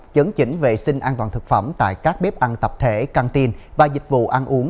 chấn chỉnh vệ sinh an toàn thực phẩm tại các bếp ăn tập thể cantein và dịch vụ ăn uống